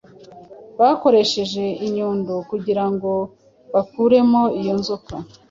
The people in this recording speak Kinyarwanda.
bakoresheje inyundo ,kugira ngo bakuremo iyo nzoka